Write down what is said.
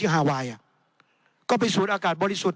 ที่ฮาไวอ่ะก็ไปสูดอากาศบลิสุทธิ์